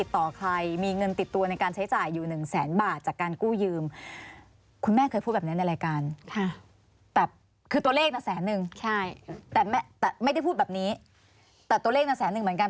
แต่ตัวเลขหนักแสนหนึ่งเหมือนกัน